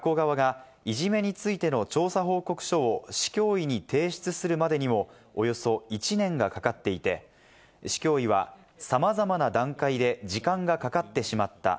学校側がいじめについての調査報告書を市教委に提出するまでにも、およそ１年がかかっていて、市教委は、さまざまな段階で時間がかかってしまった。